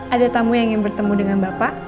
ada tamu yang ingin bertemu dengan bapak